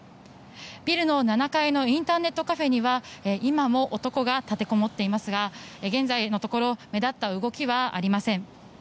ビルの７階のインターネットカフェには今も男が立てこもっていますが現在のところ目立った動きはありません。